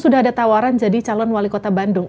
sudah ada tawaran jadi calon wali kota bandung